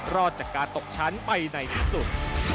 รอดจากการตกชั้นไปในที่สุด